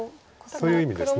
という意味です